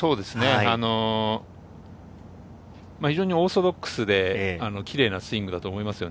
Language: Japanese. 非常にオーソドックスで、キレイなスイングだと思います。